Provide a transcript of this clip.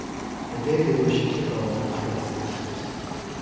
A day later she took off at twice the distance.